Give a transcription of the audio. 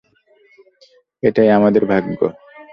এটাই আমাদের ভাগ্য।